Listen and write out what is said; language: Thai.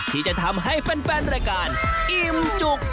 ที่จะทำให้แฟนรายการอิ่มจุก